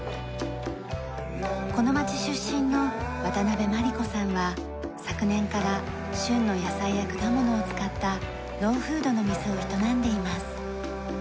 この町出身の渡部万梨子さんは昨年から旬の野菜や果物を使ったローフードの店を営んでいます。